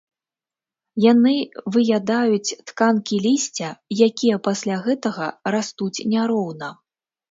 Яны выядаюць тканкі лісця, якія пасля гэтага растуць няроўна.